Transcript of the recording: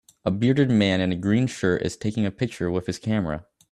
A bearded man in a green shirt is taking a picture with his camera